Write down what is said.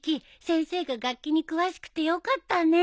先生が楽器に詳しくてよかったね。